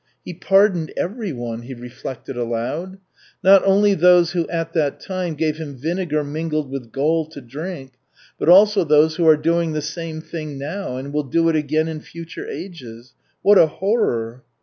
"He pardoned every one," he reflected aloud. "Not only those who at that time gave Him vinegar mingled with gall to drink, but also those who are doing the same thing now and will do it again in future ages. What a horror!"